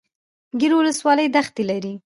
ګیرو ولسوالۍ دښتې لري؟